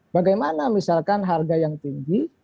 bagaimana misalkan harga yang tinggi